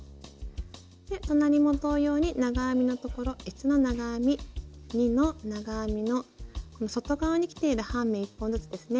隣も同様に長編みのところ１の長編み２の長編みの外側にきている半目１本ずつですね